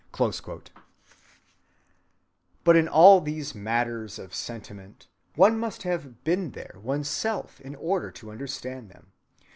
(196) But in all these matters of sentiment one must have "been there" one's self in order to understand them.